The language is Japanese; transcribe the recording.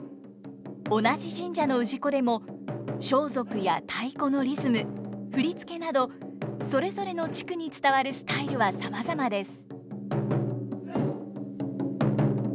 同じ神社の氏子でも装束や太鼓のリズム振付などそれぞれの地区に伝わるスタイルはさまざまです。